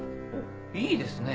いいですね。